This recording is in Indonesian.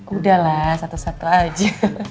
udahlah satu satu aja